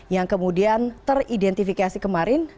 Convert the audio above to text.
yang kemudian teridentifikasi kemarin